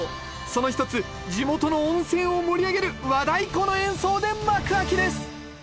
その一つ地元の温泉を盛り上げる和太鼓の演奏で幕開きです！